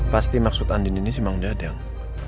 pasti maksud andi ini memang jadang